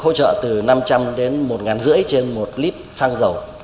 hỗ trợ từ năm trăm linh đến một năm trăm linh trên một lít xăng dầu